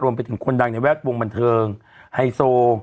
รวมไปถึงคนดังในแวดวงบันเทิงไฮโซ